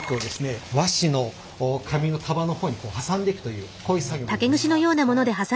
和紙の紙の束の方に挟んでいくというこういう作業になります。